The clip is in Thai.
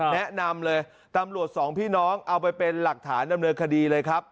แนะนำเลยตำรวจสองพี่น้องเอาไปเป็นหลักฐานดำเนินคดีเลยครับ